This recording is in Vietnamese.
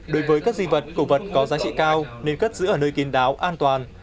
đối với các di vật cổ vật có giá trị cao nên cất giữ ở nơi kín đáo an toàn